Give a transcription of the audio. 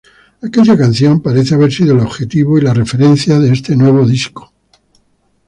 Aquella canción parece haber sido el objetivo y la referencia de este disco nuevo.